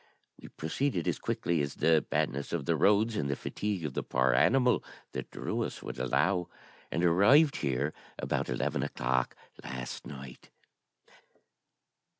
We proceeded as quickly as the badness of the roads and the fatigue of the poor animal that drew us would allow, and arrived here about eleven o'clock last night.